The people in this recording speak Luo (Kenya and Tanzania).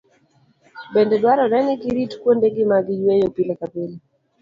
Bende dwarore ni girit kuondegi mag yweyo pile ka pile.